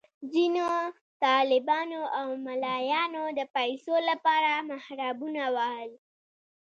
ځینو طالبانو او ملایانو د پیسو لپاره محرابونه وهل.